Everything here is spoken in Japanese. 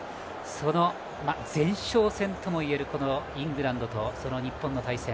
その前哨戦ともいえるイングランドと日本の対戦。